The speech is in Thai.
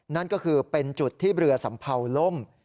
นั่นก็คือเป็นจุดที่เรือสัมเภาล่ม